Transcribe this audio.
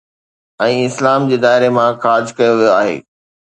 ۽ اسلام جي دائري مان خارج ڪيو ويو آهي